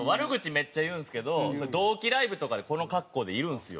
めっちゃ言うんですけど同期ライブとかでこの格好でいるんですよ